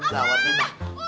eh udah apaan sih